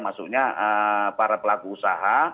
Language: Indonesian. masuknya para pelaku usaha